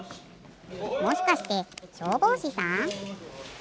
もしかしてしょうぼうしさん？